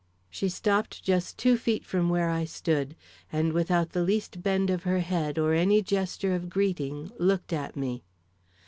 She stopped just two feet from where I stood, and without the least bend of her head or any gesture of greeting, looked at me.